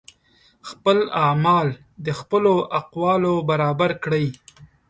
خپل اعمال د خپلو اقوالو برابر کړئ